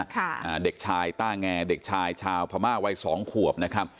อ่าเด็กชายต้าแงเด็กชายชาวพม่าวัยสองขวบนะครับ